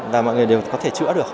và mọi người đều có thể chữa được